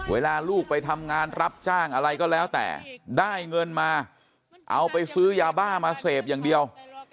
เวลาลูกไปทำงานรับจ้างอะไรก็แล้วแต่ได้เงินมาเอาไปซื้อยาบ้ามาเสพอย่างเดียว